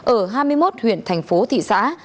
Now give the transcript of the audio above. ở hai mươi một huyện thành phố thị xã